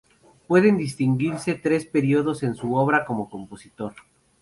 Pueden distinguirse tres períodos en su obra como compositor.